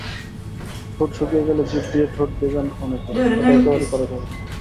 ঠোঁট শুকিয়ে গেলে জিব দিয়ে ঠোঁট ভেজান অনেকে, এটি একেবারেই করা যাবে না।